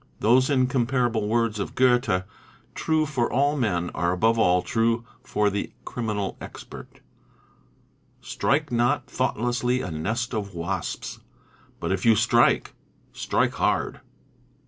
Those in comparable words of Goethe, true for all men, are above all true for the criminal expert, "Strike not thoughtlessly a nest of wasps, But if you strike, strike hard."